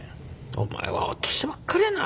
「お前は落としてばっかりやな」